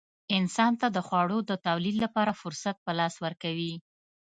انسان ته د خوړو د تولید لپاره فرصت په لاس ورکوي.